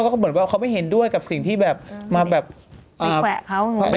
คือคุณเปิ้ลเขาไปซัพพอร์ตซัพพอร์ตคุณเอ๋หรอ